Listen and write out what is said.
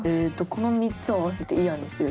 この３つを合わせていいあんにする？